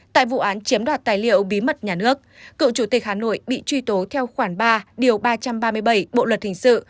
tại vụ án chiếm đoạt tài liệu bí mật nhà nước cựu chủ tịch hà nội bị truy tố theo khoảng ba điều ba trăm ba mươi bảy bộ luật hình sự